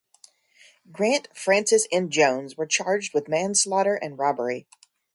Grant, Francis, and Jones were charged with manslaughter and robbery.